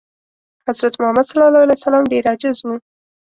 حضرت محمد ﷺ ډېر عاجز و.